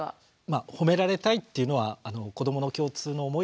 まっほめられたいっていうのは子どもの共通の思いだと思います。